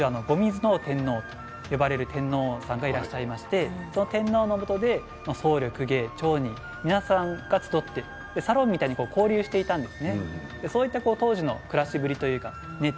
当時は後水尾天皇と呼ばれる天皇さんがいらっしゃいましてそのもとで僧侶や公家、商人が皆さんサロンみたいに交流していたんです。